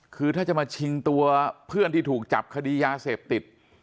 คือถ้าจะมาชิงตัวเพื่อนที่ถูกจับคดียาเสพติด